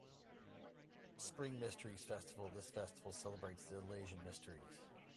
Spring Mysteries Festival this festival celebrates the Eleusinian Mysteries.